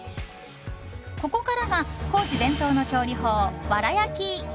ここからが高知伝統の調理法、わら焼き！